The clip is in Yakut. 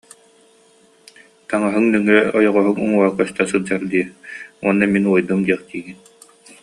Таҥаһыҥ нөҥүө ойоҕоһуҥ уҥуоҕа көстө сылдьар дии уонна мин уойдум диэхтиигин